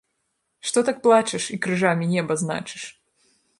Што так плачаш, і крыжамі неба значыш?